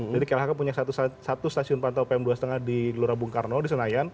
jadi klhk punya satu stasiun pantau pm dua lima di lurabungkarno di senayan